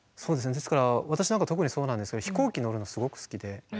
ですから私なんか特にそうなんですけど飛行機乗るのすごく好きで。